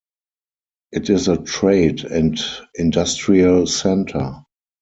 It is a trade and industrial center.